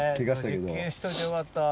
実験しといてよかった。